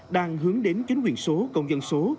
đang hướng đến chính quyền số công dân số